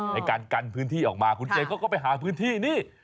ในการกันพื้นที่ออกมาคุณเจนเขาก็ไปหาพื้นที่นี่